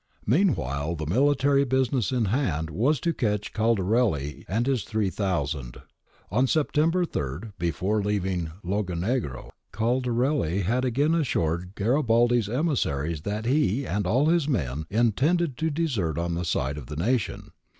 Meanwhile, the military business in hand was to catch Caldarelli and his three thousand.^ On September 3, before leaving Lagonegro, Caldarelli had again assured Garibaldi's emissaries that he and all his men intended to desert to the side of the nation.'